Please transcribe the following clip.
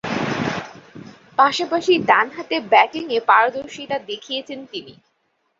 পাশাপাশি ডানহাতে ব্যাটিংয়ে পারদর্শিতা দেখিয়েছেন তিনি।